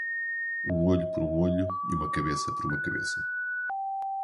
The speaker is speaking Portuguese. "Um olho por um olho e uma cabeça por uma cabeça"